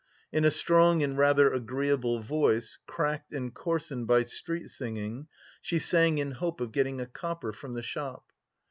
In a strong and rather agreeable voice, cracked and coarsened by street singing, she sang in hope of getting a copper from the shop.